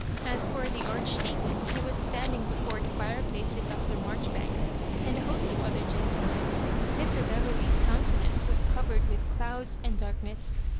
As for the Archdeaeon, he was standing beforo the fireplace with Dr. Marjoribanks and a host of other gentlemen. Mr. Beverley's countenance was covered with clouds and darkness.